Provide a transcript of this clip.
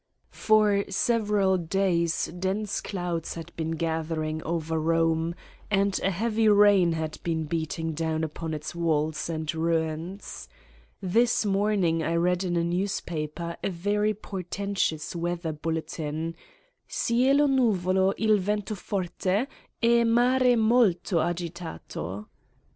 For several days dense clonds had been gather ing over Borne and a heavy rain had been beating down upon its walls and ruins. This morning I read in a newspaper a very portentous weather bulletin : cielo nuvolo il vento forte e mare molto agitato.